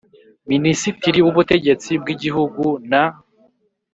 Minisitiri w Ubutegetsi bw Igihugu na